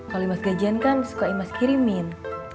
kalau ibu mas gajian kan suka ibu mas kirimin